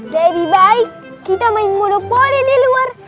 lebih baik kita main monopoli di luar